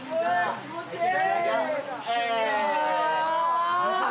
気持ちいい！